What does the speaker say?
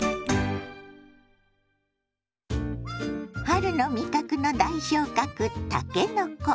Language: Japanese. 春の味覚の代表格たけのこ。